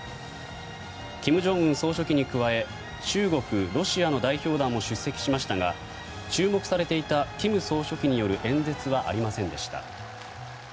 金正恩総書記に加え中国、ロシアの代表団も出席しましたが注目されていた金総書記による演説はありませんでした。